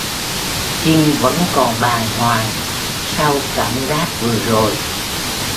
Chinh vẫn còn bàng hoàng sau cảm giác vừa rồi